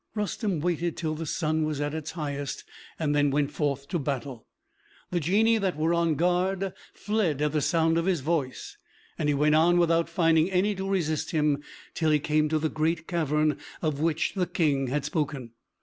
Rustem waited till the sun was at its highest, and then went forth to battle. The Genii that were on guard fled at the sound of his voice, and he went on without finding any to resist him till he came to the great cavern of which the King had spoken.